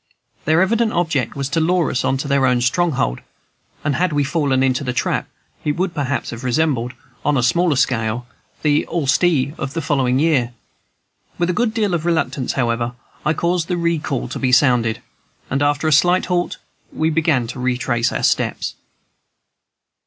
Their evident object was to lure us on to their own stronghold, and had we fallen into the trap, it would perhaps have resembled, on a smaller scale, the Olustee of the following year. With a good deal of reluctance, however, I caused the recall to be sounded, and, after a slight halt, we began to retrace our steps.